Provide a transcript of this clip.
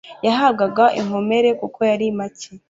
yahabwaga inkomere kuko yari macye